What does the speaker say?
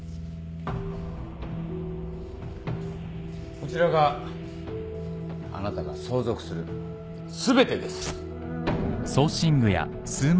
こちらがあなたが相続する全てです。